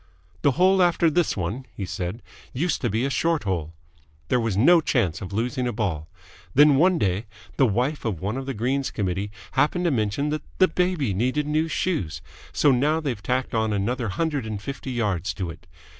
"The hole after this one," he said, "used to be a short hole. There was no chance of losing a ball. Then, one day, the wife of one of the Greens Committee happened to mention that the baby needed new shoes, so now they've tacked on another hundred and fifty yards to it.